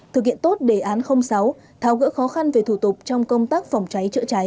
thực hiện tốt đề án sáu tháo gỡ khó khăn về thủ tục trong công tác phòng cháy chữa cháy